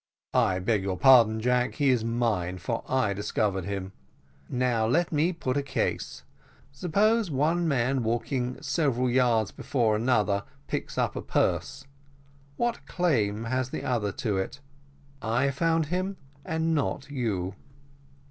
"I beg your pardon, Jack, he is mine, for I discovered him. Now let me put a case: suppose one man walking several yards before another, picks up a purse, what claim has the other to it? I found him, and not you."